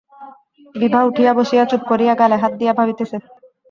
বিভা উঠিয়া বসিয়া চুপ করিয়া গালে হাত দিয়া ভাবিতেছে।